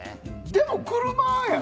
でも、車やん。